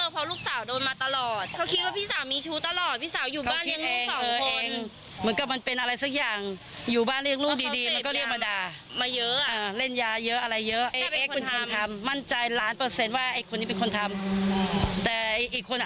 พี่สาวอยู่บ้านเรียกลูกสองคน